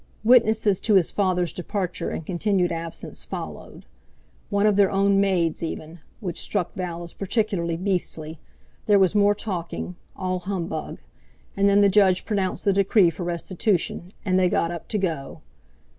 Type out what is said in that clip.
Witnesses to his father's departure and continued absence followed—one of their own maids even, which struck Val as particularly beastly; there was more talking, all humbug; and then the Judge pronounced the decree for restitution, and they got up to go.